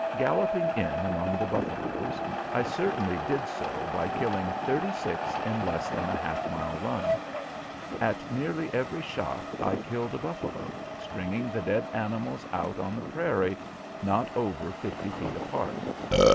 Galloping in among the buffaloes, I certainly did so by killing thirty six in less than a half mile run. At nearly every shot I killed a buffalo, stringing the dead animals out on the prairie, not over fifty feet apart.